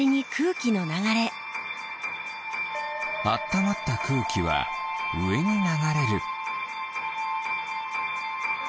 あったまったくうきはうえにながれる。